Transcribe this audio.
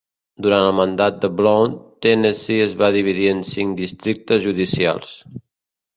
Durant el mandat de Blount, Tennessee es va dividir en cinc districtes judicials.